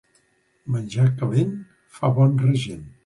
Menjar calent fa bon regent.